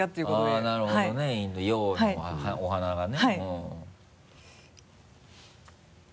あぁなるほどね陰と陽お花がね。